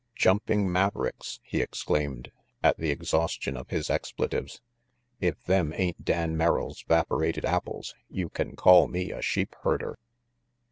"Jumping Mavericks!" he exclaimed, at the exhaustion of his expletives. "If them ain't Dan Merrill's 'vaporated apples, you can call me a sheep herder."